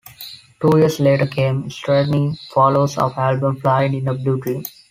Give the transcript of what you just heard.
Two years later came Satriani's follow-up album "Flying in a Blue Dream".